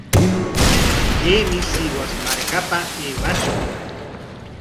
Waraymi Sihus markapa aywashaq.